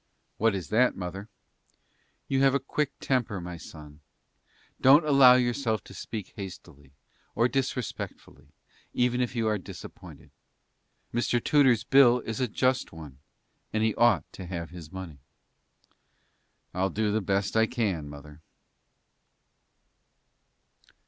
"What is that, mother?" "You have a quick temper, my son. Don't allow yourself to speak hastily, or disrespectfully, even if you are disappointed. Mr. Tudor's bill is a just one, and he ought to have his money." "I'll do the best I can, mother."